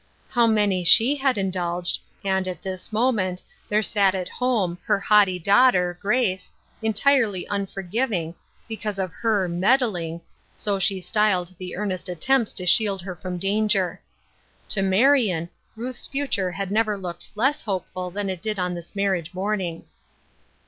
How many she had indulged * and, at this moment, there sat at home, her haughty daughter, Grace, entirely unforgiving, because of her " meddling "— so she styled the 272 Ruth UrsJcine^s Crosses. earnest attempts to shield her from danger. To Marion, Ruth's future had never looked less hopeful than it did on this marriage morning.